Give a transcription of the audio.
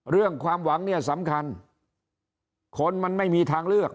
เรื่องความหวังเนี่ยสำคัญคนมันไม่มีทางเลือก